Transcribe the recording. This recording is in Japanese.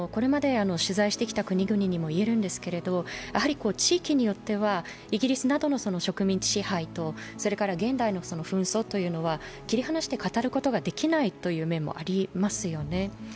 これまで取材してきた国々にもいえるんですけれども地域によってはイギリスなどの植民地支配と現代の紛争というのは切り離して語ることはできないという面もありますよね。